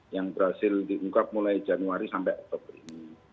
yang berhasil diungkap mulai januari sampai oktober ini